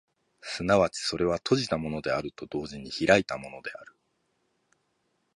即ちそれは閉じたものであると同時に開いたものである。